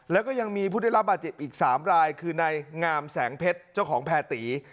แล้วก็ยังมีผู้ได้รับบาดเจ็บอีก๓รายคือในงามแสงเพชรเจ้าของแพรตี